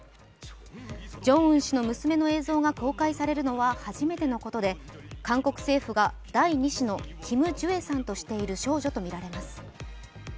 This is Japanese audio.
ジョンウン氏の娘の映像が公開されるのは初めてのことで、韓国政府が第２子のキム・ジュエさんとしている少女とみられます。